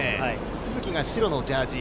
都筑が白のジャージー。